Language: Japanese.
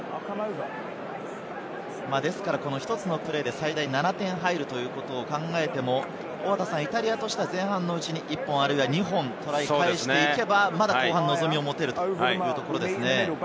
一つのプレーで最大７点入るということを考えても、イタリアとしては前半のうちに１本あるいは２本、トライを返していけば、後半、望みを持てるというところですね。